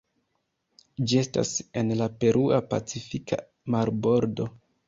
Ĝi estas en la Perua Pacifika marbordo.